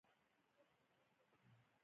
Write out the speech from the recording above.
افغانستان په پابندی غرونه غني دی.